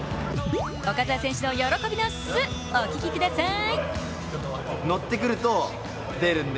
岡澤選手の喜びの「ス」、お聴きください。